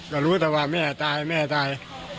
ก็รู้แต่ว่าแม่ตายแม่ตาย